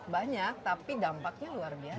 banyak tapi dampaknya luar biasa